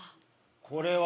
これは？